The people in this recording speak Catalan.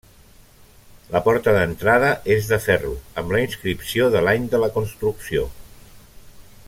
La porta d'entrada és de ferro amb la inscripció de l'any de la construcció.